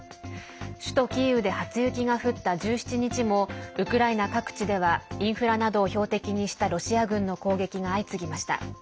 首都キーウで初雪が降った１７日もウクライナ各地ではインフラなどを標的にしたロシア軍の攻撃が相次ぎました。